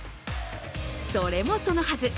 それもそのはず。